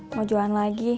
mau jualan lagi